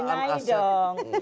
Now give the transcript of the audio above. jangan mendenai dong